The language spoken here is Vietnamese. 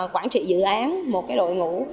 quản trị dự án một cái đội ngũ